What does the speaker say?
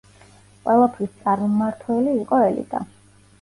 ყველაფრის წარმმართველი იყო ელიტა.